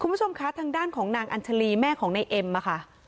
คุณผู้ชมคะทางด้านของนางอัญชาลีแม่ของในเอ็มค่ะ